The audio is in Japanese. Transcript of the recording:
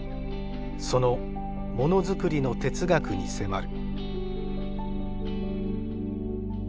そのものづくりの哲学に迫る。